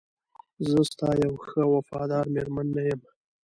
زه ستا یوه ښه او وفاداره میرمن نه یم؟